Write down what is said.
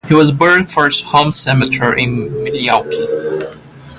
He was buried at Forest Home Cemetery in Milwaukee.